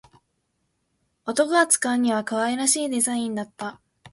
男が使うには可愛らしいデザインだった